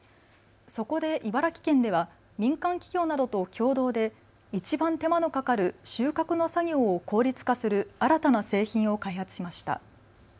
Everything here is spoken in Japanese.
そこで茨城県では民間企業などと共同でいちばん手間のかかる収穫の作業を効率化する新たな製品を開発しました。